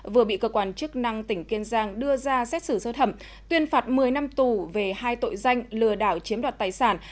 vừa bị cơ quan chức năng tỉnh kiên giang đưa ra xét xử sơ thẩm tuyên phạt một mươi năm tù về hai tội danh lừa đảo chiếm đoạt tài sản